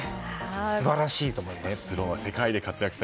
素晴らしいと思います。